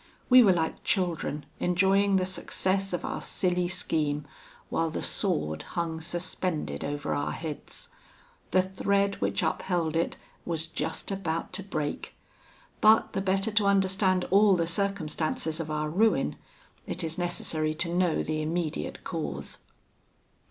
We were like children enjoying the success of our silly scheme, while the sword hung suspended over our heads. The thread which upheld it was just about to break; but the better to understand all the circumstances of our ruin, it is necessary to know the immediate cause.